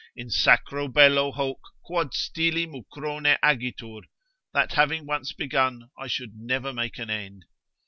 In sacro bello hoc quod stili mucrone agitur, that having once begun, I should never make an end.